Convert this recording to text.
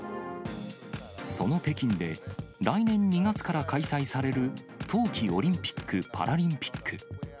その北京で、来年２月から開催される冬季オリンピック・パラリンピック。